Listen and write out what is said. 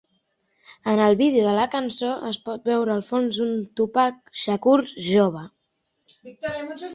En el vídeo de la cançó, es pot veure al fons a un Tupac Shakur jove.